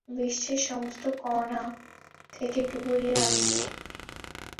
বিশ্বের সমস্ত কোণা থেকে ডুবুরিরা আসছে।